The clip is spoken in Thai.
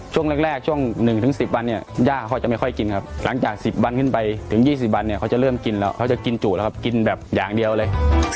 ช่วงแรกช่วง๑๑๐วันเนี่ยย่าเขาจะไม่ค่อยกินครับหลังจาก๑๐วันขึ้นไปถึง๒๐วันเนี่ยเขาจะเริ่มกินแล้วเขาจะกินจุแล้วครับกินแบบอย่างเดียวเลย